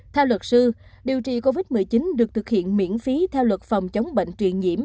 theo luật sư điều trị covid một mươi chín được thực hiện miễn phí theo luật phòng chống bệnh truyền nhiễm